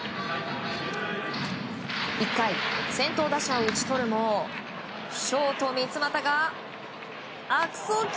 １回、先頭打者を打ち取るもショート、三ツ俣が悪送球。